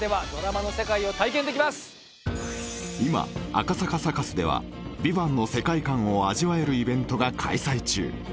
赤坂サカスでは「ＶＩＶＡＮＴ」の世界観を味わえるイベントが開催中